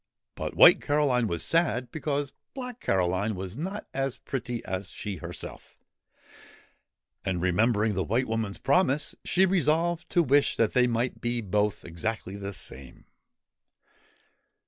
But White Caroline was sad because Black Caroline was not as pretty as she herself, and, remembering the White Woman's promise, she resolved to wish that they might both be exactly the same.